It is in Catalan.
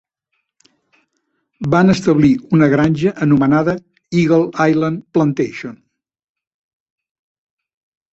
Van establir una granja anomenada Eagle Island Plantation.